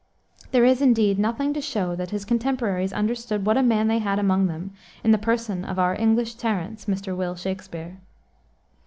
There is, indeed, nothing to show that his contemporaries understood what a man they had among them in the person of "Our English Terence, Mr. Will Shakespeare!"